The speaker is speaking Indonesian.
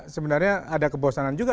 sebenarnya ada kebosanan juga